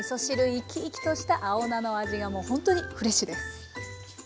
生き生きとした青菜の味がもうほんとにフレッシュです。